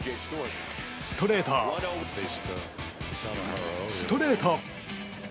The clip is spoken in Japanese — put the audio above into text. ストレート、ストレート。